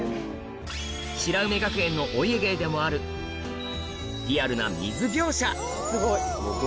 白梅学園のお家芸でもあるリアルな水描写